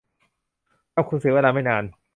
ทำคุณเสียเวลาไม่นาน